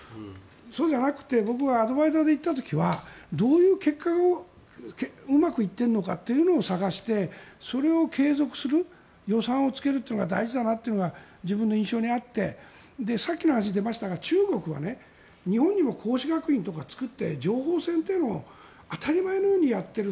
そうじゃなくて僕はアドバイザーで行った時はどううまくいっているのかという結果を探して、それを継続する予算をつけるというのが大事だなというのが自分の印象にあってさっきの話に出ましたが中国は日本にも学校を作って情報戦を当たり前のようにやっている。